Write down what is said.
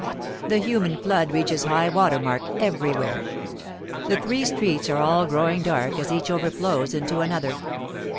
The human flood reaches high water mark everywhere. The three streets are all growing dark as each overflows into another.